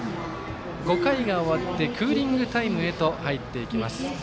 ５回が終わってクーリングタイムへと入っていきます。